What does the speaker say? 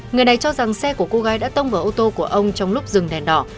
người này cho rằng xe của cô gái đã tông vào ô tô của ông trong lúc dừng đèn đỏ